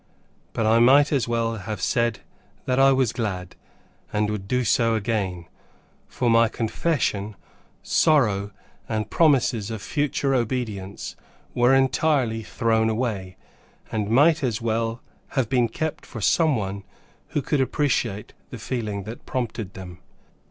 But I might as well have said that I was glad, and would do so again, for my confession, sorrow, and promises of future obedience were entirely thrown away, and might as well have been kept for some one who could appreciate the feeling that prompted them.